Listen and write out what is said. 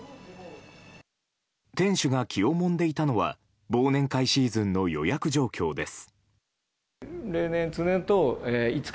店主が気をもんでいたのは忘年会シーズンの予約状況です。